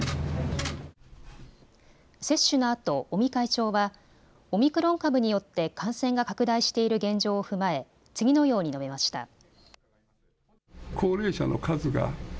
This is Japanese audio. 接種のあと、尾身会長はオミクロン株によって感染が拡大している現状を踏まえ次のように述べました。